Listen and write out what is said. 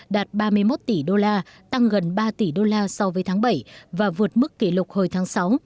đạt ba mươi một tỷ đô la tăng gần ba tỷ đô la so với tháng bảy và vượt mức kỷ lục hồi tháng sáu